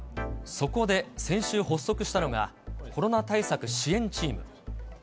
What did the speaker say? そこで、先週発足したのが、コロナ対策支援チーム。